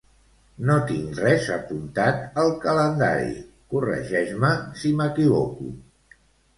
No tinc res apuntat al calendari, corregeix-me si m'equivoco.